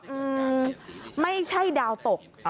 อืมไม่ใช่ดาวตก